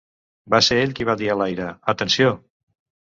Va ser ell qui va dir a l'aire: "Atenció".